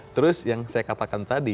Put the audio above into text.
terus yang saya katakan tadi